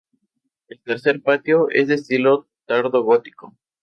El tercer patio es de estilo tardo gótico.